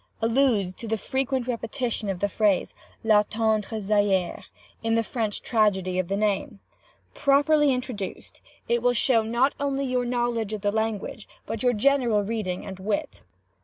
Alludes to the frequent repetition of the phrase, la tendre Zaire, in the French tragedy of that name. Properly introduced, will show not only your knowledge of the language, but your general reading and wit.